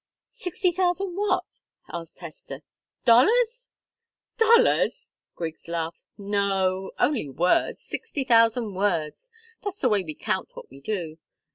"Sixty thousand what?" asked Hester. "Dollars?" "Dollars!" Griggs laughed. "No only words. Sixty thousand words. That's the way we count what we do.